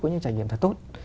có những trải nghiệm thật tốt